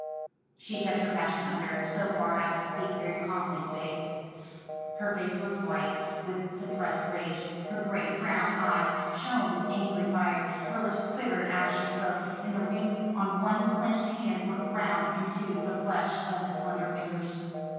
She kept her passion under, so far as to speak very calmly to Bates. Her face was white with suppressed rage, her great brown eyes shone with angry fire, her lips quivered as she spoke, and the rings on one clinched hand were ground into the flesh of the slender fingers.